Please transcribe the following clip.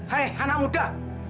hai anak muda